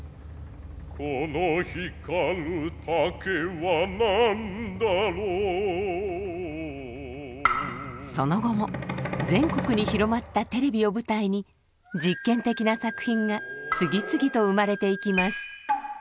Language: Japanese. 「この光る竹は何だろう」その後も全国に広まったテレビを舞台に実験的な作品が次々と生まれていきます。